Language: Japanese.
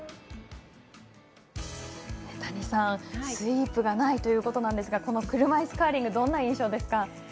谷さん、スイープがないということなんですがこの車いすカーリングどんな印象ですか？